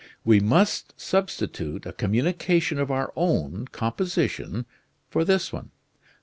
We must substitute a communication of our own composition for this one.